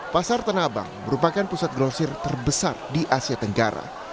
pasar tanabang merupakan pusat gelosir terbesar di asia tenggara